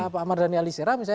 pak ahmad dhani alisira misalnya